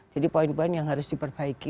jadi poin poin yang harus diperbaiki